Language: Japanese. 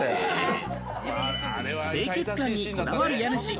清潔感にこだわる家主。